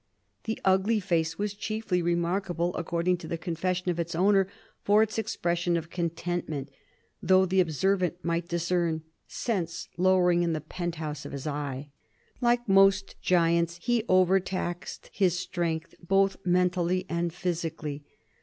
The ugly face was chiefly remarkable, according to the confession of its owner, for its expression of contentment, though the observant might discern "sense lowering in the penthouse of his eye." Like most giants, he overtaxed his strength, both mentally and physically.